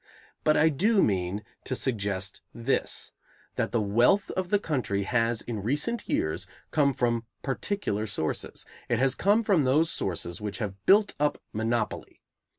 But I do mean to suggest this: That the wealth of the country has, in recent years, come from particular sources; it has come from those sources which have built up monopoly.